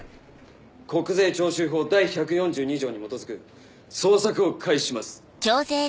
国税徴収法第１４２条に基づく捜索を開始します。